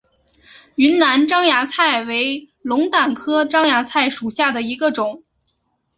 云南獐牙菜为龙胆科獐牙菜属下的一个种。